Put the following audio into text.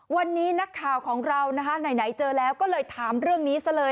วันนี้นักข่าวของเรานะคะไหนเจอแล้วก็เลยถามเรื่องนี้ซะเลย